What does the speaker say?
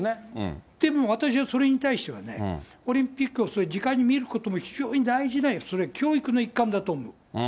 でも私はそれに対してはね、オリンピックはそういうじかに見ることも大事で、それ、教育の一環だと思う。